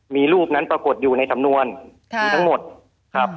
มีรูปนั้นปรากฏอยู่ในสำนวนมีทั้งหมดครับ